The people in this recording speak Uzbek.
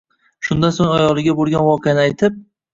Shundan so`ng, ayoliga bo`lgan voqeani aytib